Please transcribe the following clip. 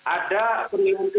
ada penilaian publik